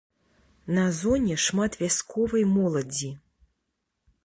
На зоне шмат вясковай моладзі.